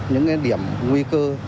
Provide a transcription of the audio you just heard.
những điểm nguy cơ